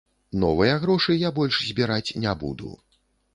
Новыя грошы я больш збіраць не буду.